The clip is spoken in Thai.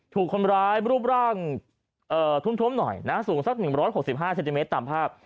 ถูกคนร้ายรูปร่างทุ่มหน่อยนะสูงสัก๑๖๕เซนติเมตรตามภาพ